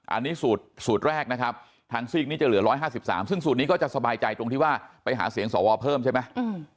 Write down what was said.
อันนี้สูตรแรกนะครับทางซีกนี้จะเหลือ๑๕๓ซึ่งสูตรนี้ก็จะสบายใจตรงที่ว่าไปหาเสียงสวเพิ่มใช่ไหม